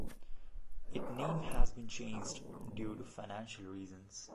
It name has been changed due to financial reasons.